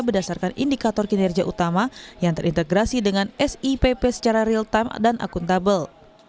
berdasarkan indikator kinerja utama yang terintegrasi dengan sipp secara real time dan akuntabel